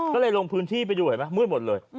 ก็เลยลงพื้นที่ไปดูเห็นไหมมืดหมดเลย